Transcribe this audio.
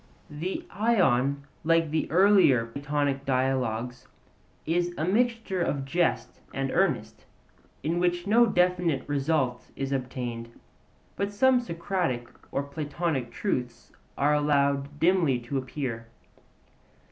The Ion, like the other earlier Platonic Dialogues, is a mixture of jest and earnest, in which no definite result is obtained, but some Socratic or Platonic truths are allowed dimly to appear.